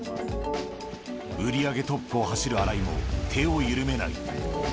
売り上げトップを走る荒井も、手を緩めない。